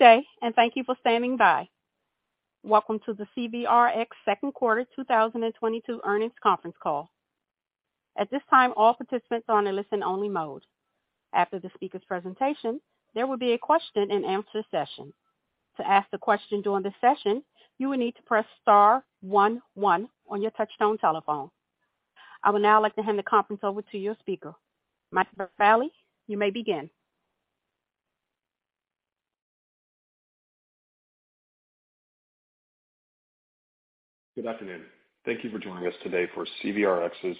Good day, and thank you for standing by. Welcome to the CVRx second quarter 2022 earnings conference call. At this time, all participants are in a listen only mode. After the speaker's presentation, there will be a question-and-answer session. To ask the question during the session, you will need to press star one one on your touch-tone telephone. I would now like to hand the conference over to your speaker. Mike Vallie, you may begin. Good afternoon. Thank you for joining us today for CVRx's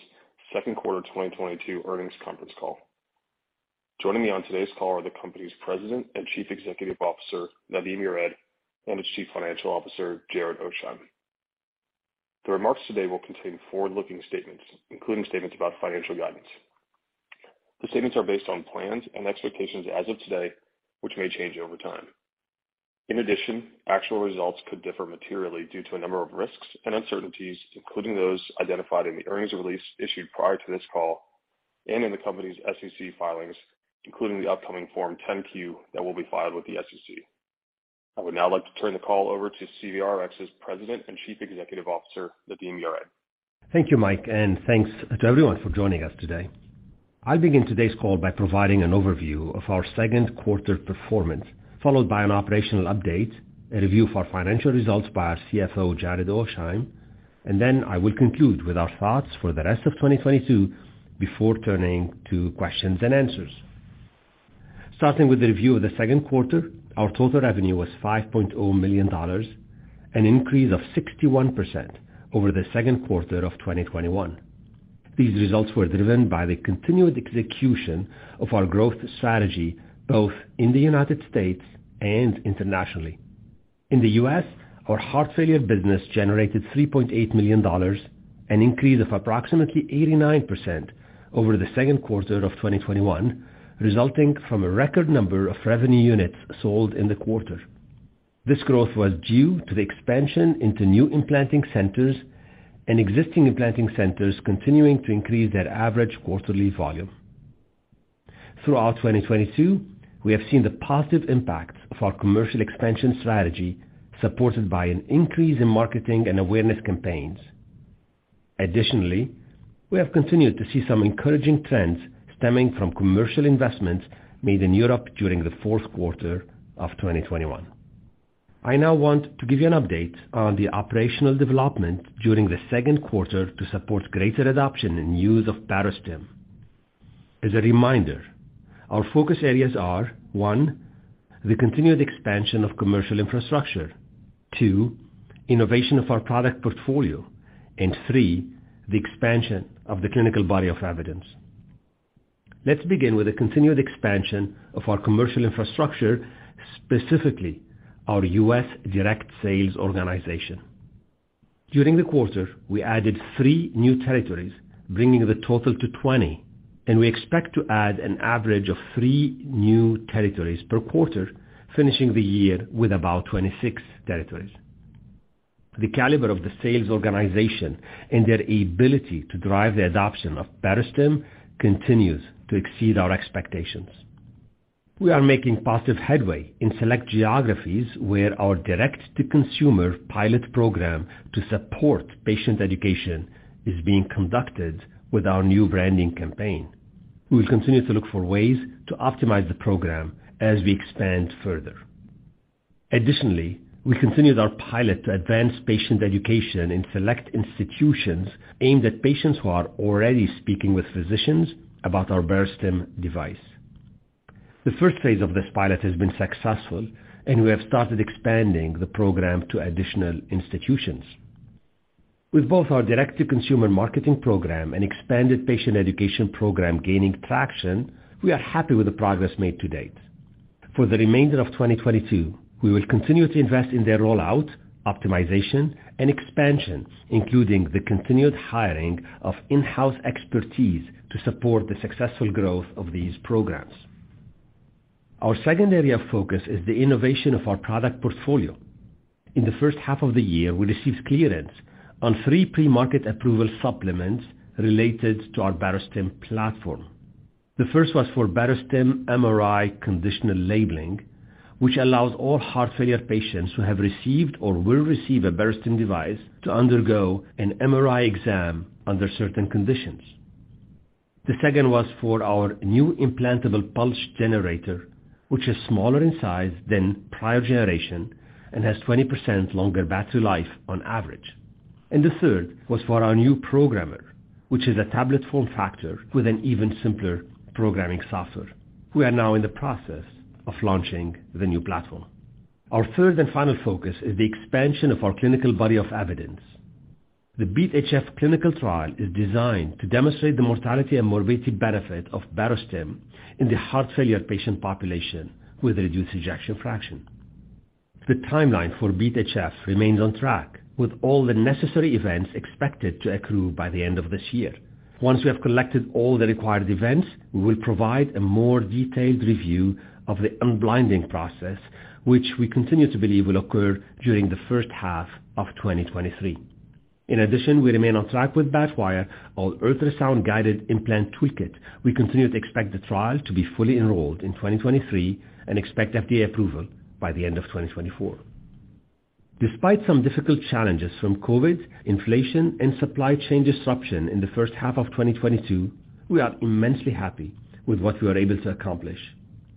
second quarter 2022 earnings conference call. Joining me on today's call are the company's President and Chief Executive Officer, Nadim Yared, and its Chief Financial Officer, Jared Oasheim. The remarks today will contain forward-looking statements, including statements about financial guidance. The statements are based on plans and expectations as of today, which may change over time. In addition, actual results could differ materially due to a number of risks and uncertainties, including those identified in the earnings release issued prior to this call and in the company's SEC filings, including the upcoming Form 10-Q that will be filed with the SEC. I would now like to turn the call over to CVRx's President and Chief Executive Officer, Nadim Yared. Thank you, Mike, and thanks to everyone for joining us today. I'll begin today's call by providing an overview of our second quarter performance, followed by an operational update, a review of our financial results by our CFO, Jared Oasheim, and then I will conclude with our thoughts for the rest of 2022 before turning to questions and answers. Starting with the review of the second quarter, our total revenue was $5.0 million, an increase of 61% over the second quarter of 2021. These results were driven by the continued execution of our growth strategy, both in the United States and internationally. In the U.S., our Heart Failure business generated $3.8 million, an increase of approximately 89% over the second quarter of 2021, resulting from a record number of revenue units sold in the quarter. This growth was due to the expansion into new implanting centers and existing implanting centers continuing to increase their average quarterly volume. Throughout 2022, we have seen the positive impact of our commercial expansion strategy, supported by an increase in marketing and awareness campaigns. Additionally, we have continued to see some encouraging trends stemming from commercial investments made in Europe during the fourth quarter of 2021. I now want to give you an update on the operational development during the second quarter to support greater adoption and use of Barostim. As a reminder, our focus areas are, one, the continued expansion of commercial infrastructure. Two, innovation of our product portfolio. And three, the expansion of the clinical body of evidence. Let's begin with the continued expansion of our commercial infrastructure, specifically our U.S. direct sales organization. During the quarter, we added three new territories, bringing the total to 20, and we expect to add an average of three new territories per quarter, finishing the year with about 26 territories. The caliber of the sales organization and their ability to drive the adoption of Barostim continues to exceed our expectations. We are making positive headway in select geographies where our direct-to-consumer pilot program to support patient education is being conducted with our new branding campaign. We will continue to look for ways to optimize the program as we expand further. Additionally, we continued our pilot to advance patient education in select institutions aimed at patients who are already speaking with physicians about our Barostim device. The first phase of this pilot has been successful and we have started expanding the program to additional institutions. With both our direct-to-consumer marketing program and expanded patient education program gaining traction, we are happy with the progress made to date. For the remainder of 2022, we will continue to invest in their rollout, optimization and expansion, including the continued hiring of in-house expertise to support the successful growth of these programs. Our second area of focus is the innovation of our product portfolio. In the first half of the year, we received clearance on three pre-market approval supplements related to our Barostim platform. The first was for Barostim MRI conditional labeling, which allows all heart failure patients who have received or will receive a Barostim device to undergo an MRI exam under certain conditions. The second was for our new implantable pulse generator, which is smaller in size than prior generation and has 20% longer battery life on average. The third was for our new programmer, which is a tablet form factor with an even simpler programming software. We are now in the process of launching the new platform. Our third and final focus is the expansion of our clinical body of evidence. The BeAT-HF clinical trial is designed to demonstrate the mortality and morbidity benefit of Barostim in the heart failure patient population with reduced ejection fraction. The timeline for BeAT-HF remains on track, with all the necessary events expected to accrue by the end of this year. Once we have collected all the required events, we will provide a more detailed review of the unblinding process, which we continue to believe will occur during the first half of 2023. In addition, we remain on track with BATwire, our ultrasound-guided implant tool kit. We continue to expect the trial to be fully enrolled in 2023 and expect FDA approval by the end of 2024. Despite some difficult challenges from COVID, inflation and supply chain disruption in the first half of 2022, we are immensely happy with what we are able to accomplish.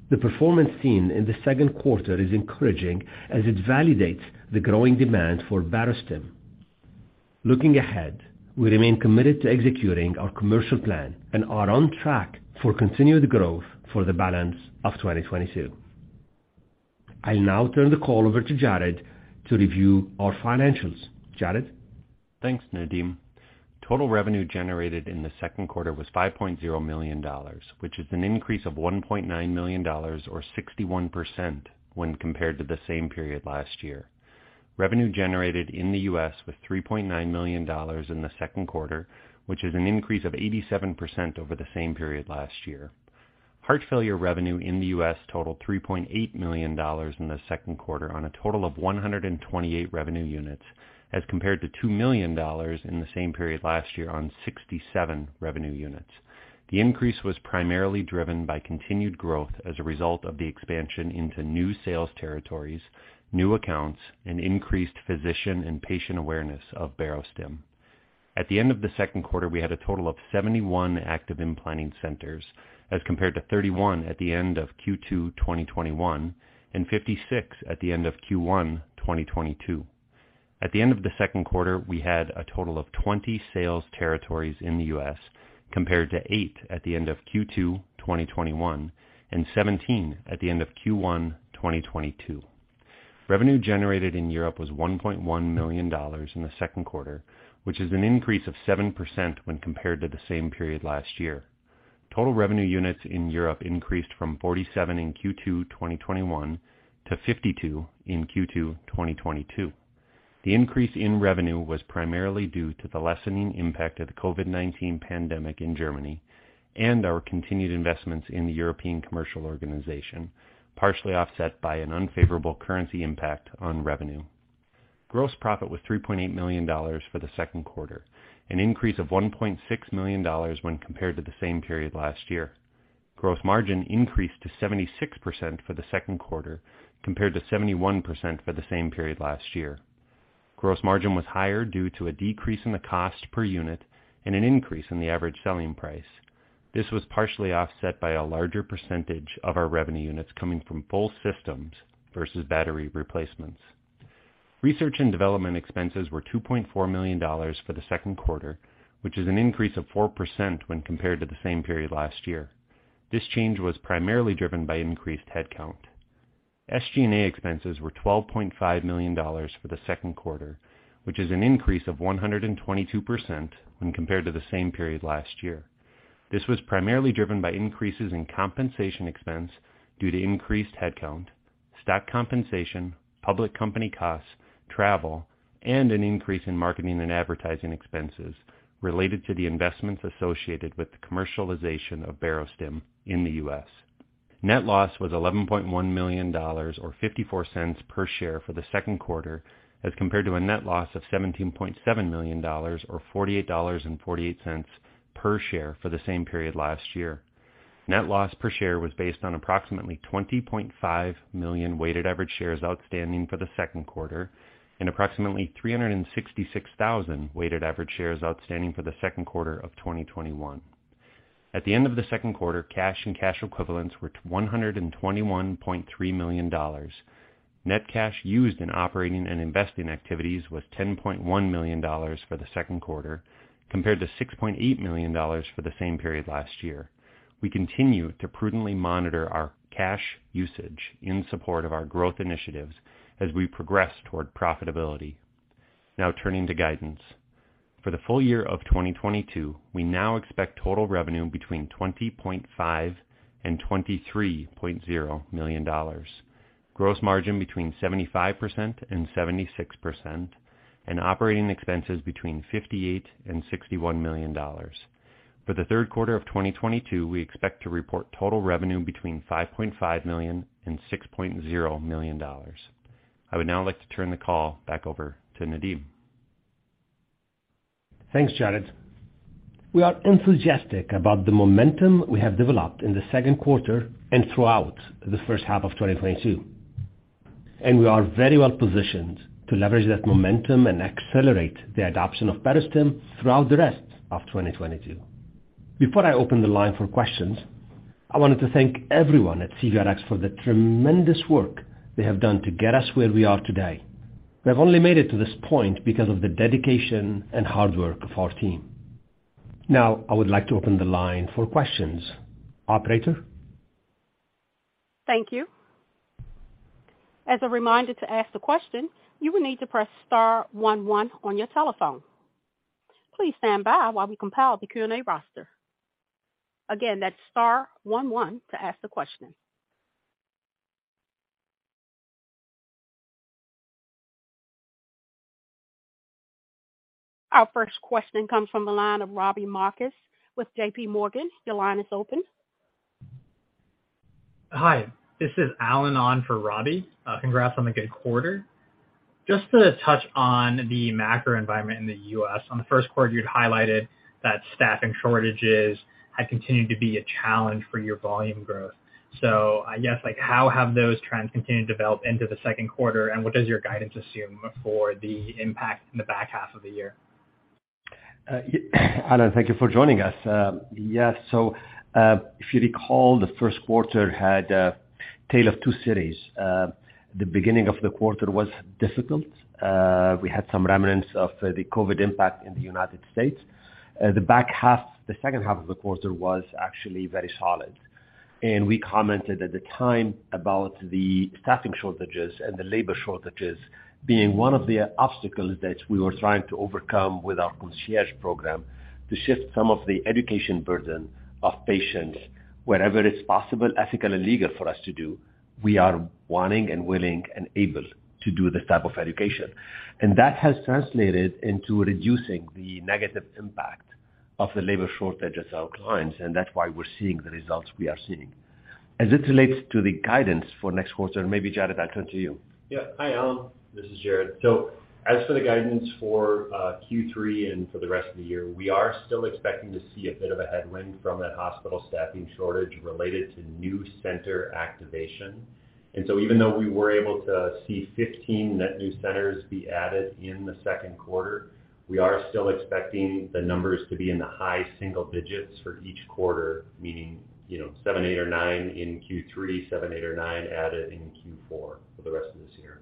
The performance seen in the second quarter is encouraging as it validates the growing demand for Barostim. Looking ahead, we remain committed to executing our commercial plan and are on track for continued growth for the balance of 2022. I'll now turn the call over to Jared to review our financials. Jared? Thanks, Nadim. Total revenue generated in the second quarter was $5.0 million, which is an increase of $1.9 million or 61% when compared to the same period last year. Revenue generated in the U.S. was $3.9 million in the second quarter, which is an increase of 87% over the same period last year. Heart failure revenue in the U.S. totaled $3.8 million in the second quarter on a total of 128 revenue units, as compared to $2 million in the same period last year on 67 revenue units. The increase was primarily driven by continued growth as a result of the expansion into new sales territories, new accounts, and increased physician and patient awareness of Barostim. At the end of the second quarter, we had a total of 71 active implanting centers as compared to 31 at the end of Q2, 2021 and 56 at the end of Q1, 2022. At the end of the second quarter, we had a total of 20 sales territories in the U.S. compared to eight at the end of Q2, 2021 and 17 at the end of Q1, 2022. Revenue generated in Europe was $1.1 million in the second quarter, which is an increase of 7% when compared to the same period last year. Total revenue units in Europe increased from 47 in Q2, 2021 to 52 in Q2, 2022. The increase in revenue was primarily due to the lessening impact of the COVID-19 pandemic in Germany and our continued investments in the European commercial organization, partially offset by an unfavorable currency impact on revenue. Gross profit was $3.8 million for the second quarter, an increase of $1.6 million when compared to the same period last year. Gross margin increased to 76% for the second quarter, compared to 71% for the same period last year. Gross margin was higher due to a decrease in the cost per unit and an increase in the average selling price. This was partially offset by a larger percentage of our revenue units coming from full systems versus battery replacements. Research and development expenses were $2.4 million for the second quarter, which is an increase of 4% when compared to the same period last year. This change was primarily driven by increased headcount. SG&A expenses were $12.5 million for the second quarter, which is an increase of 122% when compared to the same period last year. This was primarily driven by increases in compensation expense due to increased headcount, stock compensation, public company costs, travel, and an increase in marketing and advertising expenses related to the investments associated with the commercialization of Barostim in the U.S. Net loss was $11.1 million or $0.54 per share for the second quarter as compared to a net loss of $17.7 million or $0.48 per share for the same period last year. Net loss per share was based on approximately 20.5 million weighted average shares outstanding for the second quarter and approximately 366,000 weighted average shares outstanding for the second quarter of 2021. At the end of the second quarter, cash and cash equivalents were $121.3 million. Net cash used in operating and investing activities was $10.1 million for the second quarter compared to $6.8 million for the same period last year. We continue to prudently monitor our cash usage in support of our growth initiatives as we progress toward profitability. Now turning to guidance. For the full year of 2022, we now expect total revenue between $20.5 million and $23.0 million, gross margin between 75% and 76%, and operating expenses between $58 million and $61 million. For the third quarter of 2022, we expect to report total revenue between $5.5 million and $6.0 million. I would now like to turn the call back over to Nadim. Thanks, Jared. We are enthusiastic about the momentum we have developed in the second quarter and throughout the first half of 2022, and we are very well positioned to leverage that momentum and accelerate the adoption of Barostim throughout the rest of 2022. Before I open the line for questions, I wanted to thank everyone at CVRx for the tremendous work they have done to get us where we are today. We have only made it to this point because of the dedication and hard work of our team. Now I would like to open the line for questions. Operator? Thank you. As a reminder, to ask the question, you will need to press star one one on your telephone. Please stand by while we compile the Q&A roster. Again, that's star one one to ask the question. Our first question comes from the line of Robbie Marcus with JPMorgan. Your line is open. Hi, this is Alan on for Robbie. Congrats on the good quarter. Just to touch on the macro environment in the U.S., on the first quarter, you'd highlighted that staffing shortages had continued to be a challenge for your volume growth. I guess, like how have those trends continued to develop into the second quarter, and what does your guidance assume for the impact in the back half of the year? Alan, thank you for joining us. Yes, if you recall, the first quarter had a tale of two cities. The beginning of the quarter was difficult. We had some remnants of the COVID impact in the United States. The back half, the second half of the quarter was actually very solid. We commented at the time about the staffing shortages and the labor shortages being one of the obstacles that we were trying to overcome with our concierge program to shift some of the education burden of patients wherever it's possible, ethical, and legal for us to do. We are wanting and willing and able to do this type of education. That has translated into reducing the negative impact of the labor shortages on our clients, and that's why we're seeing the results we are seeing. As it relates to the guidance for next quarter, maybe, Jared, I'll turn to you. Yeah. Hi, Alan. This is Jared. As for the guidance for Q3 and for the rest of the year, we are still expecting to see a bit of a headwind from that hospital staffing shortage related to new center activation. Even though we were able to see 15 net new centers be added in the second quarter, we are still expecting the numbers to be in the high single digits for each quarter, meaning, you know, seven, eight or nine in Q3, seven, eight or nine added in Q4 for the rest of this year.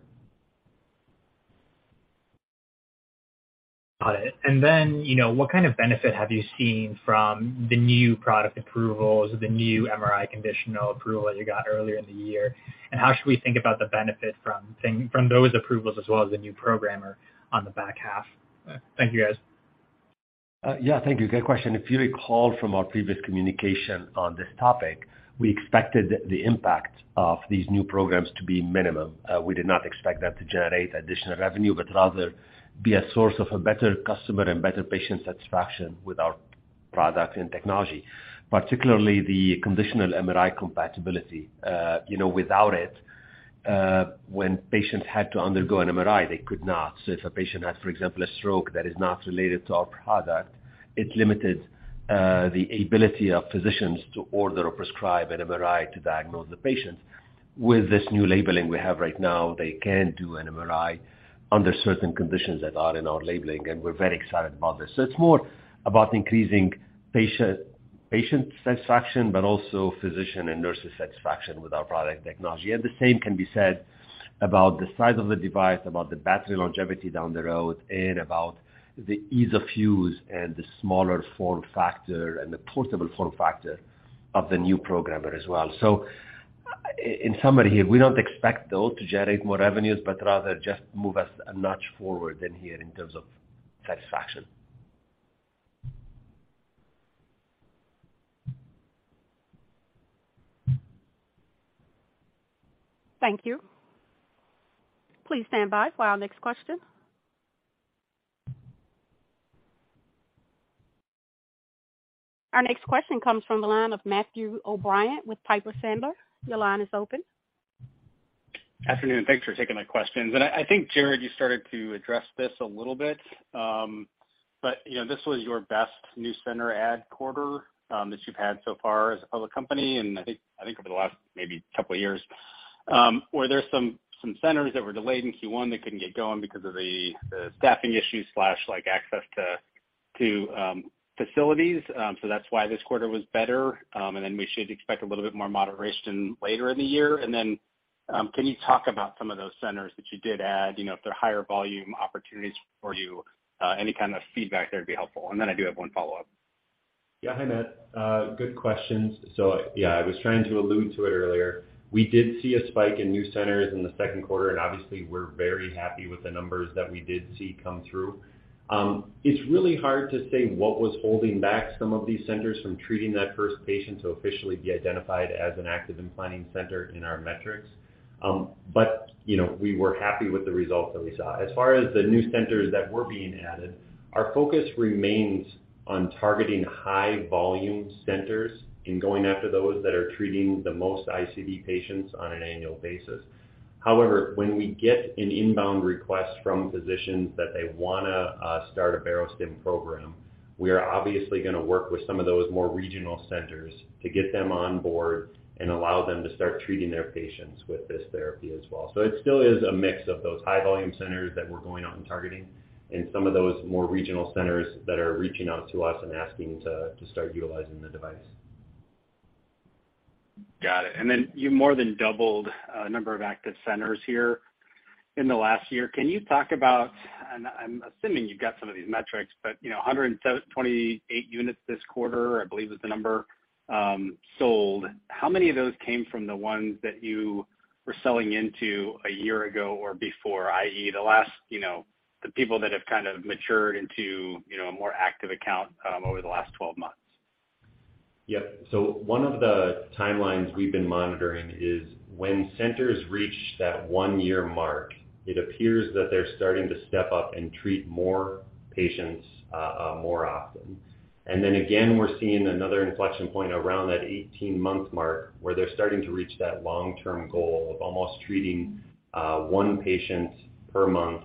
Got it. Then, you know, what kind of benefit have you seen from the new product approvals, the new MRI conditional approval that you got earlier in the year? How should we think about the benefit from those approvals as well as the new programmer on the back half? Thank you, guys. Yeah, thank you. Good question. If you recall from our previous communication on this topic, we expected the impact of these new programs to be minimal. We did not expect that to generate additional revenue, but rather be a source of a better customer and better patient satisfaction with our product and technology, particularly the conditional MRI compatibility. You know, without it, when patients had to undergo an MRI, they could not. If a patient had, for example, a stroke that is not related to our product, it limited the ability of physicians to order or prescribe an MRI to diagnose the patients. With this new labeling we have right now, they can do an MRI under certain conditions that are in our labeling, and we're very excited about this. It's more about increasing patient satisfaction, but also physician and nurse satisfaction with our product technology. The same can be said about the size of the device, about the battery longevity down the road, and about the ease of use and the smaller form factor and the portable form factor of the new programmer as well. In summary here, we don't expect those to generate more revenues, but rather just move us a notch forward in terms of satisfaction. Thank you. Please stand by for our next question. Our next question comes from the line of Matthew O'Brien with Piper Sandler. Your line is open. Afternoon. Thanks for taking my questions. I think, Jared, you started to address this a little bit, but, you know, this was your best new center add quarter that you've had so far as a public company and I think over the last maybe couple of years. Were there some centers that were delayed in Q1 that couldn't get going because of the staffing issues slash like access to facilities, so that's why this quarter was better, and then we should expect a little bit more moderation later in the year? Can you talk about some of those centers that you did add, you know, if they're higher volume opportunities for you, any kind of feedback there would be helpful. I do have one follow-up. Yeah. Hi, Matt, good questions. Yeah, I was trying to allude to it earlier. We did see a spike in new centers in the second quarter, and obviously we're very happy with the numbers that we did see come through. It's really hard to say what was holding back some of these centers from treating that first patient to officially be identified as an active implanting center in our metrics. But, you know, we were happy with the results that we saw. As far as the new centers that were being added, our focus remains on targeting high volume centers and going after those that are treating the most ICD patients on an annual basis. However, when we get an inbound request from physicians that they wanna start a Barostim program, we are obviously gonna work with some of those more regional centers to get them on board and allow them to start treating their patients with this therapy as well. It still is a mix of those high volume centers that we're going out and targeting and some of those more regional centers that are reaching out to us and asking to start utilizing the device. Got it. You more than doubled number of active centers here in the last year. Can you talk about, and I'm assuming you've got some of these metrics, but, you know, 128 units this quarter, I believe is the number, sold. How many of those came from the ones that you were selling into a year ago or before, i.e., the last, you know, the people that have kind of matured into, you know, a more active account, over the last 12 months? Yep. One of the timelines we've been monitoring is when centers reach that one-year mark. It appears that they're starting to step up and treat more patients more often. Then again, we're seeing another inflection point around that 18-month mark where they're starting to reach that long-term goal of almost treating one patient per month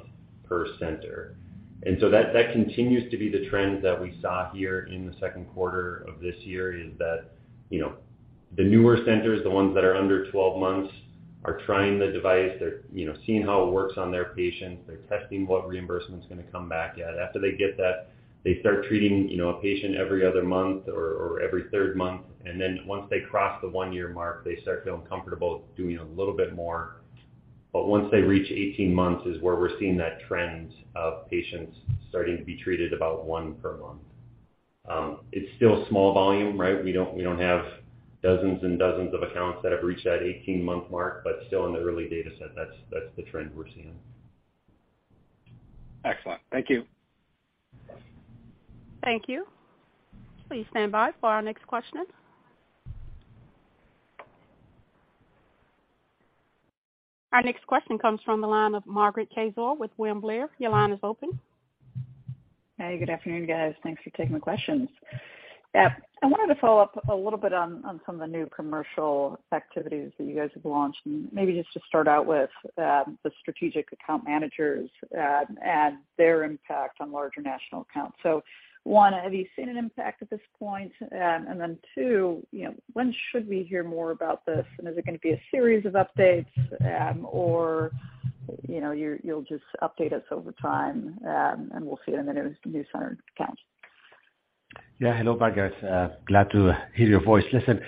per center. That continues to be the trend that we saw here in the second quarter of this year, is that, you know, the newer centers, the ones that are under 12 months, are trying the device. They're, you know, seeing how it works on their patients. They're testing what reimbursement is going to come back. Yet after they get that, they start treating, you know, a patient every other month or every third month. Then once they cross the one-year mark, they start feeling comfortable doing a little bit more. Once they reach 18 months is where we're seeing that trend of patients starting to be treated about one per month. It's still small volume, right? We don't have dozens and dozens of accounts that have reached that 18-month mark, but still in the early data set, that's the trend we're seeing. Excellent. Thank you. Thank you. Please stand by for our next question. Our next question comes from the line of Margaret Kaczor with William Blair. Your line is open. Hey, good afternoon, guys. Thanks for taking the questions. I wanted to follow up a little bit on some of the new commercial activities that you guys have launched, and maybe just to start out with the strategic account managers and their impact on larger national accounts? One, have you seen an impact at this point? Two, you know, when should we hear more about this? Is it going to be a series of updates, or, you know, you'll just update us over time, and we'll see it in the new center accounts? Yeah. Hello, Margaret. Glad to hear your voice. Listen,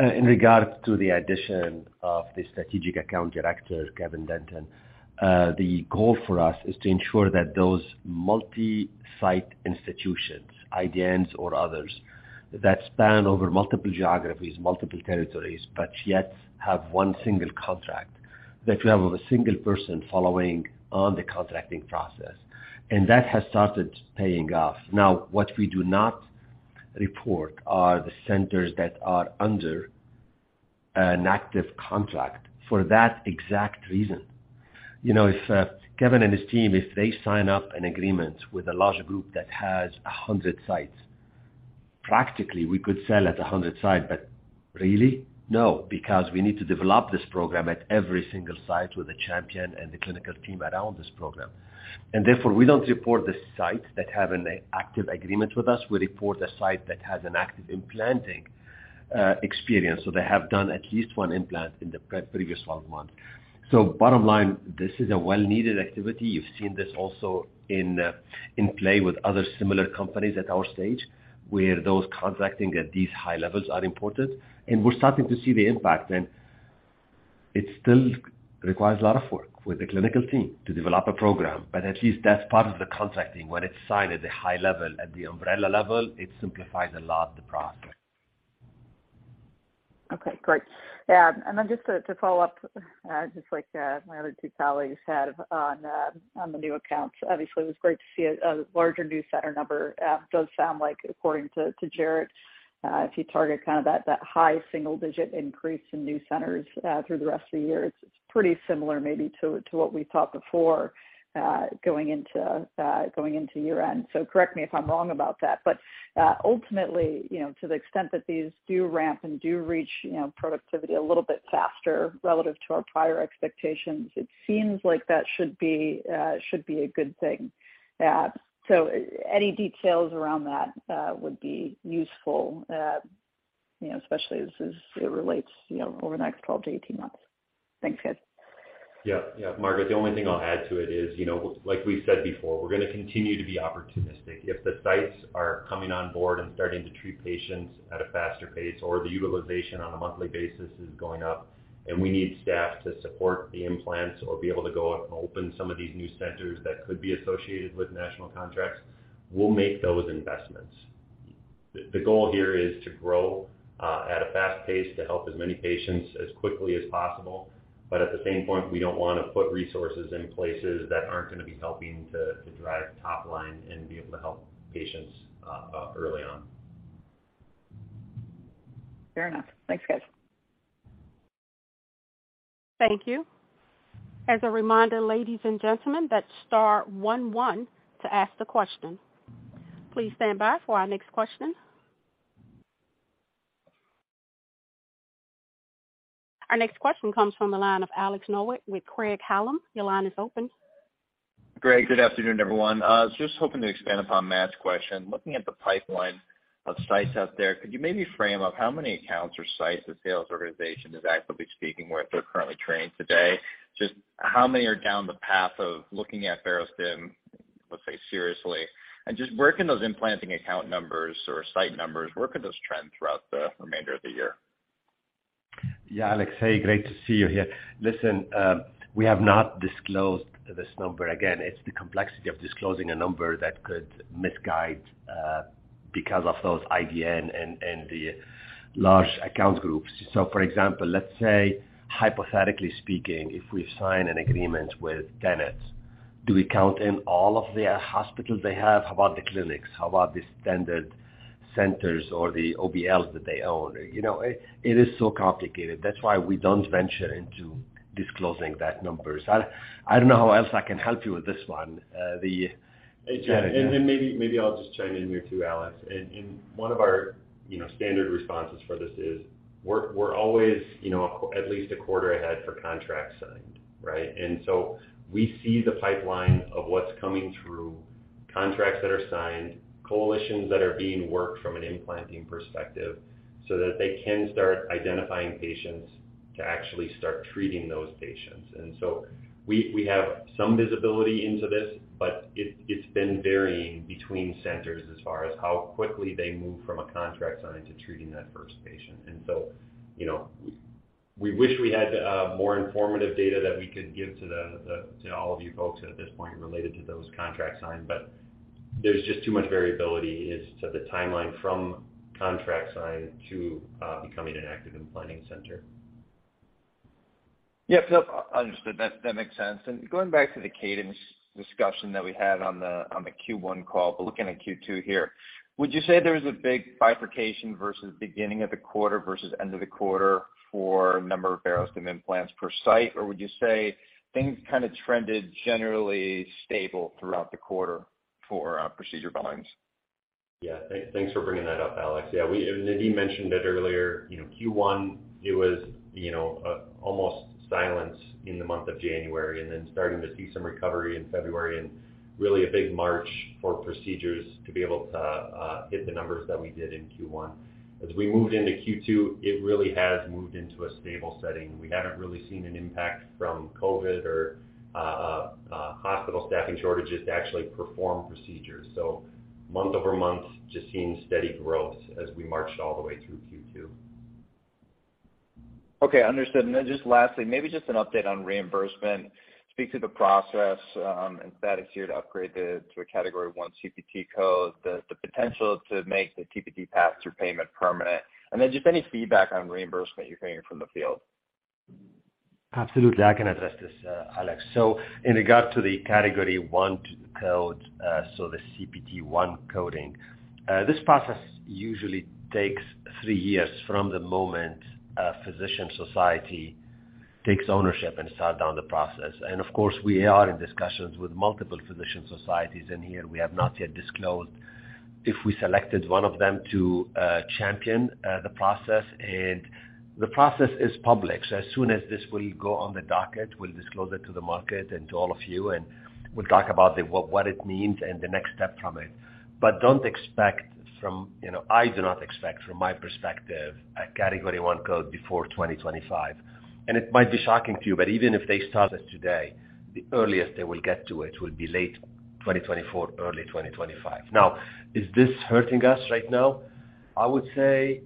in regards to the addition of the Strategic Account Director, Kevin Denton, the goal for us is to ensure that those multi-site institutions, IDNs or others, that span over multiple geographies, multiple territories, but yet have one single contract, that we have a single person following on the contracting process. That has started paying off. Now, what we do not report are the centers that are under an active contract for that exact reason. You know, if Kevin and his team sign up an agreement with a larger group that has 100 sites, practically we could sell at 100 sites. But really? No, because we need to develop this program at every single site with a champion and the clinical team around this program. Therefore, we don't report the sites that have an active agreement with us. We report a site that has an active implanting experience, so they have done at least one implant in the previous 12 months. Bottom line, this is a well-needed activity. You've seen this also in play with other similar companies at our stage, where those contracting at these high levels are important, and we're starting to see the impact. It still requires a lot of work with the clinical team to develop a program, but at least that's part of the contracting. When it's signed at the high level, at the umbrella level, it simplifies a lot of the process. Okay, great. Yeah. Just to follow-up, just like my other two colleagues have on the new centers. Obviously, it was great to see a larger new center number. Does sound like according to Jared, if you target kind of that high single digit increase in new centers through the rest of the year, it's pretty similar maybe to what we thought before going into year-end. Correct me if I'm wrong about that? Ultimately, you know, to the extent that these do ramp and do reach, you know, productivity a little bit faster relative to our prior expectations, it seems like that should be a good thing? Any details around that would be useful. You know, especially as it relates, you know, over the next 12-18 months. Thanks, guys. Yeah. Yeah. Margaret, the only thing I'll add to it is, you know, like we said before, we're going to continue to be opportunistic. If the sites are coming on board and starting to treat patients at a faster pace or the utilization on a monthly basis is going up and we need staff to support the implants or be able to go out and open some of these new centers that could be associated with national contracts, we'll make those investments. The goal here is to grow at a fast pace to help as many patients as quickly as possible. At the same point, we don't want to put resources in places that aren't going to be helping to drive top line and be able to help patients early on. Fair enough. Thanks, guys. Thank you. As a reminder, ladies and gentlemen, that's star one one to ask the question. Please stand by for our next question. Our next question comes from the line of Alex Nowak with Craig-Hallum. Your line is open. Greg, good afternoon, everyone. Just hoping to expand upon Matt's question. Looking at the pipeline of sites out there, could you maybe frame up how many accounts or sites the sales organization is actively speaking with or currently trained today? Just how many are down the path of looking at Barostim, let's say, seriously? Just where can those implanting account numbers or site numbers, where could those trend throughout the remainder of the year? Yeah. Alex, hey, great to see you here. Listen, we have not disclosed this number. Again, it's the complexity of disclosing a number that could misguide, because of those IDN and the large account groups. For example, let's say hypothetically speaking, if we sign an agreement with Gannett. Do we count in all of the hospitals they have? How about the clinics? How about the standard centers or the OBLs that they own? You know, it is so complicated. That's why we don't venture into disclosing that number. I don't know how else I can help you with this one. Hey, Jared here, then maybe I'll just chime in here too, Alex. One of our, you know, standard responses for this is we're always, you know, at least a quarter ahead for contracts signed, right? We see the pipeline of what's coming through, contracts that are signed, accounts that are being worked from an implanting perspective so that they can start identifying patients to actually start treating those patients. We have some visibility into this, but it's been varying between centers as far as how quickly they move from a contract signed to treating that first patient. You know, we wish we had more informative data that we could give to all of you folks at this point related to those contracts signed, but there's just too much variability as to the timeline from contract signed to becoming an active implanting center. Yeah. So understood. That makes sense. Going back to the cadence discussion that we had on the Q1 call, but looking at Q2 here. Would you say there was a big bifurcation versus beginning of the quarter versus end of the quarter for number of Barostim implants per site? Or would you say things kind of trended generally stable throughout the quarter for procedure volumes? Yeah. Thanks for bringing that up, Alex. Yeah, Nadim mentioned it earlier. You know, Q1, it was, you know, almost silence in the month of January, and then starting to see some recovery in February and really a big March for procedures to be able to hit the numbers that we did in Q1. As we moved into Q2, it really has moved into a stable setting. We haven't really seen an impact from COVID or hospital staffing shortages to actually perform procedures. Month-over-month just seeing steady growth as we marched all the way through Q2. Okay. Understood. Just lastly, maybe just an update on reimbursement. Speak to the process and status here to upgrade to a Category I CPT code, the potential to make the TPT pass-through payment permanent, and then just any feedback on reimbursement you're hearing from the field? Absolutely. I can address this, Alex. In regard to the Category I code, the CPT I coding, this process usually takes three years from the moment a physician society takes ownership and starts down the process. Of course, we are in discussions with multiple physician societies here. We have not yet disclosed if we selected one of them to champion the process. The process is public, so as soon as this will go on the docket, we'll disclose it to the market and to all of you, and we'll talk about what it means and the next step from it. Don't expect, you know, I do not expect, from my perspective, a Category I code before 2025. It might be shocking to you, but even if they started today, the earliest they will get to it will be late 2024, early 2025. Now, is this hurting us right now? I would say,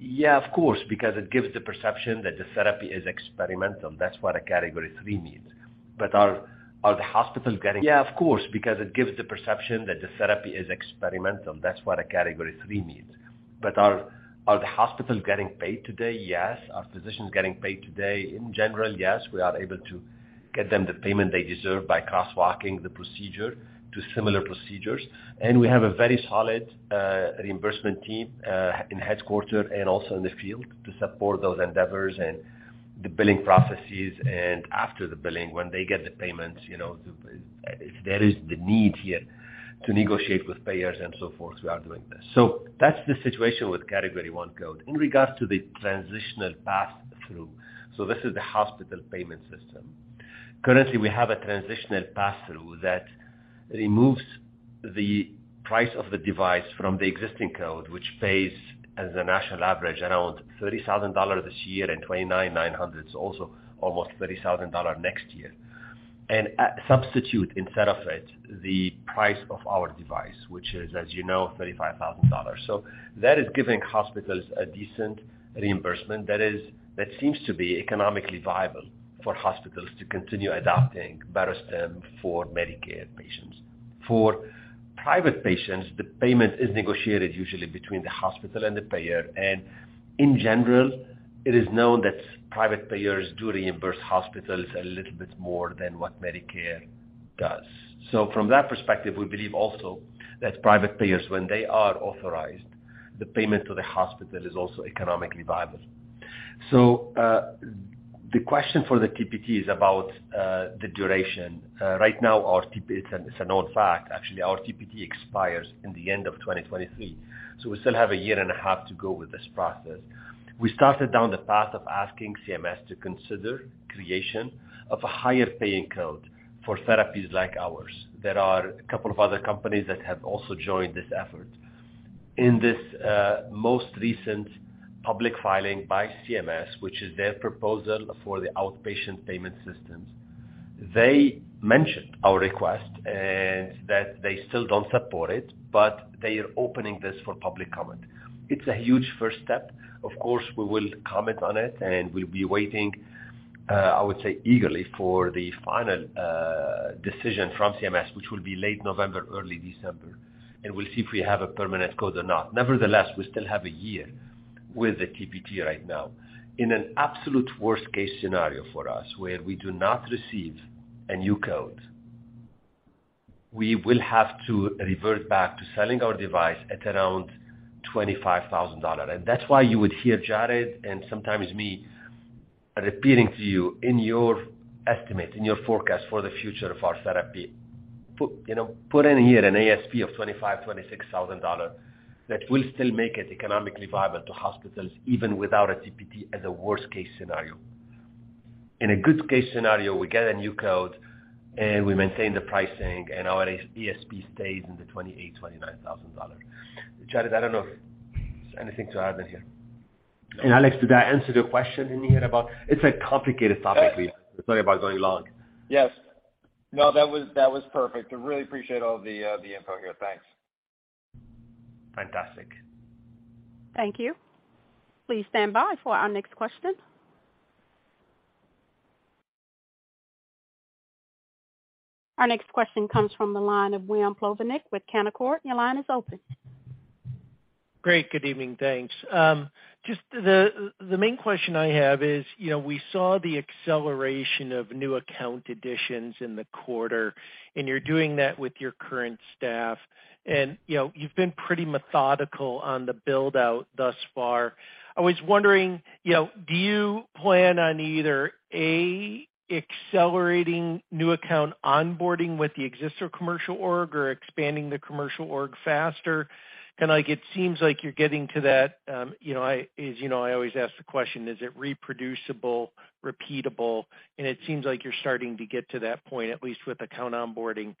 yeah, of course, because it gives the perception that the therapy is experimental. That's what a Category III means. But are the hospitals getting paid today? Yes. Are physicians getting paid today? In general, yes. We are able to get them the payment they deserve by crosswalking the procedure to similar procedures. We have a very solid reimbursement team in headquarters and also in the field to support those endeavors and the billing processes. After the billing, when they get the payments, you know, if there is the need here to negotiate with payers and so forth, we are doing this. That's the situation with Category I code. In regards to the transitional pass-through, this is the hospital payment system. Currently, we have a transitional pass-through that removes the price of the device from the existing code, which pays as a national average, around $30,000 this year and $29,900, so also almost $30,000 next year. Substitute instead of it the price of our device, which is, as you know, $35,000. That is giving hospitals a decent reimbursement. That seems to be economically viable for hospitals to continue adopting Barostim for Medicare patients. For private patients, the payment is negotiated usually between the hospital and the payer. In general, it is known that private payers do reimburse hospitals a little bit more than what Medicare does. From that perspective, we believe also that private payers, when they are authorized, the payment to the hospital is also economically viable. The question for the TPT is about the duration. Right now it's a known fact, actually, our TPT expires in the end of 2023, so we still have a year and a half to go with this process. We started down the path of asking CMS to consider creation of a higher paying code for therapies like ours. There are a couple of other companies that have also joined this effort. In this most recent public filing by CMS, which is their proposal for the outpatient payment systems, they mentioned our request and that they still don't support it, but they are opening this for public comment. It's a huge first step. Of course, we will comment on it, and we'll be waiting, I would say eagerly for the final decision from CMS, which will be late November, early December, and we'll see if we have a permanent code or not. Nevertheless, we still have a year with the TPT right now. In an absolute worst case scenario for us where we do not receive a new code, we will have to revert back to selling our device at around $25,000. That's why you would hear Jared and sometimes me repeating to you in your estimate, in your forecast for the future of our therapy. You know, put in here an ASP of $25,000-$26,000 that will still make it economically viable to hospitals even without a TPT as a worst-case scenario. In a good case scenario, we get a new code and we maintain the pricing and our ASP stays in the $28,000-$29,000. Jared, I don't know if there's anything to add in here? Alex, did I answer the question in here about. It's a complicated topic. Sorry about going long. Yes. No, that was perfect. I really appreciate all the info here. Thanks. Fantastic. Thank you. Please stand by for our next question. Our next question comes from the line of William Plovanic with Canaccord. Your line is open. Great. Good evening. Thanks. Just the main question I have is, you know, we saw the acceleration of new account additions in the quarter, and you're doing that with your current staff. You know, you've been pretty methodical on the build-out thus far. I was wondering, you know, do you plan on either, A, accelerating new account onboarding with the existing commercial org or expanding the commercial org faster? Kinda like it seems like you're getting to that, you know, I, as you know, I always ask the question, is it reproducible, repeatable? It seems like you're starting to get to that point, at least with account onboarding.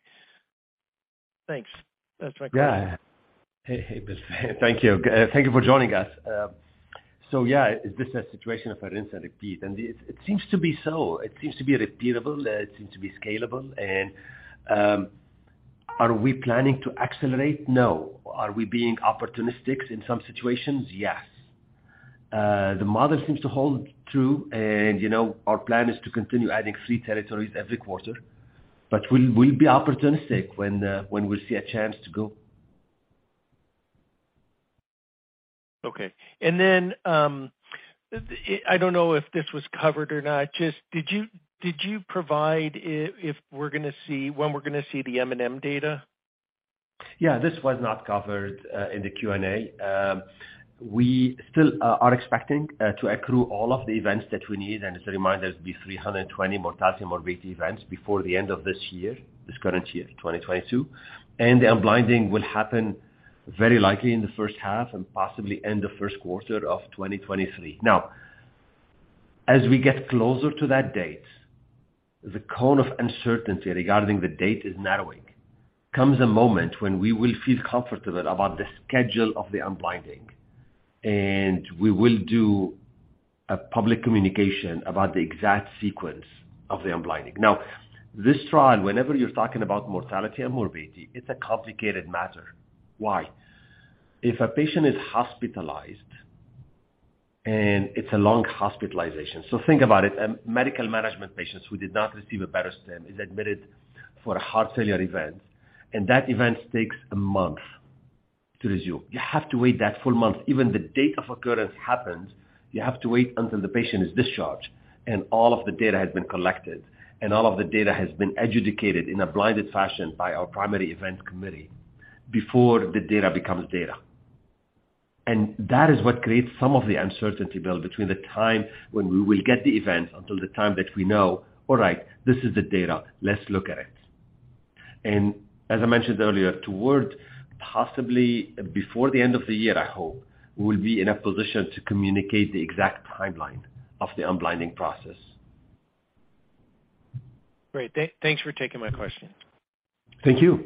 Thanks. That's my question. Yeah. Hey, thank you. Thank you for joining us. Yeah, is this a situation of rinse and repeat? It seems to be so. It seems to be repeatable. It seems to be scalable. Are we planning to accelerate? No. Are we being opportunistic in some situations? Yes. The model seems to hold true and, you know, our plan is to continue adding three territories every quarter, but we'll be opportunistic when we see a chance to go. I don't know if this was covered or not. Just did you provide if we're gonna see when we're gonna see the M&M data? Yeah, this was not covered in the Q&A. We still are expecting to accrue all of the events that we need, and as a reminder, it will be 320 mortality, morbidity events before the end of this year, this current year, 2022. The unblinding will happen very likely in the first half and possibly end of first quarter of 2023. Now, as we get closer to that date, the cone of uncertainty regarding the date is narrowing. Comes a moment when we will feel comfortable about the schedule of the unblinding, and we will do a public communication about the exact sequence of the unblinding. Now, this trial, whenever you're talking about mortality and morbidity, it's a complicated matter. Why? If a patient is hospitalized and it's a long hospitalization. Think about it, medical management patients who did not receive a Barostim is admitted for a heart failure event, and that event takes a month to resume. You have to wait that full month. Even the date of occurrence happens, you have to wait until the patient is discharged and all of the data has been collected, and all of the data has been adjudicated in a blinded fashion by our primary event committee before the data becomes data. That is what creates some of the uncertainty built between the time when we will get the event until the time that we know, all right, this is the data, let's look at it. As I mentioned earlier, toward possibly before the end of the year, I hope, we will be in a position to communicate the exact timeline of the unblinding process. Great. Thanks for taking my question. Thank you.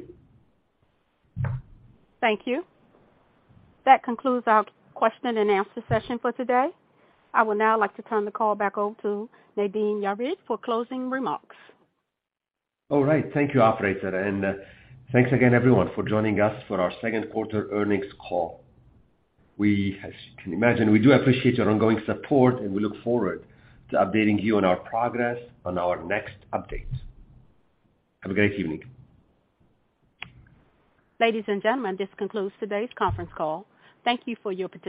Thank you. That concludes our question-and-answer session for today. I would now like to turn the call back over to Nadim Yared for closing remarks. All right. Thank you, operator. Thanks again everyone for joining us for our second quarter earnings call. We, as you can imagine, we do appreciate your ongoing support, and we look forward to updating you on our progress on our next update. Have a great evening. Ladies and gentlemen, this concludes today's conference call. Thank you for your participation.